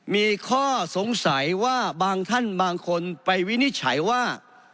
มีข้อสงสัยว่าบางท่านบางคนไปวินิจฉัยว่า